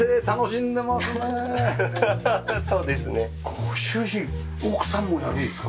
ご主人奥さんもやるんですか？